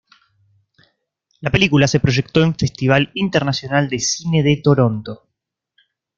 La película se proyectó en Festival Internacional de Cine de Toronto.